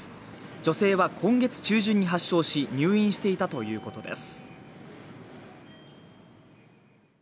女性は今月中旬に発症し入院していたということです。